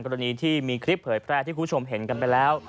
กรณีที่มีคลิปเผยแพร่ที่คุณผู้ชมเห็นกันไปแล้ว